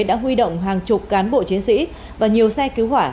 đã huy động hàng chục cán bộ chiến sĩ và nhiều xe cứu hỏa